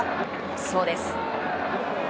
そうです。